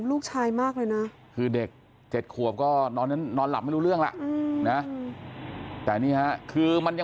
ผู้หนี้ก็มีของเว้นกราธิกรค่ะ